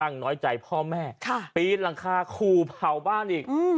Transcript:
อ้างน้อยใจพ่อแม่ค่ะปีนหลังคาคูเผ่าบ้านอีกอืม